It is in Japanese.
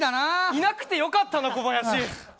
いなくてよかったな、小林。